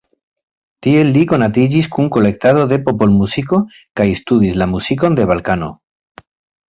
Tiel li konatiĝis kun kolektado de popolmuziko kaj studis la muzikojn de Balkano.